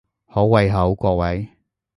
好胃口各位！